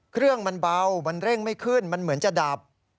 เครื่องมันเบามันเร่งไม่ขึ้นมันเหมือนจะดับ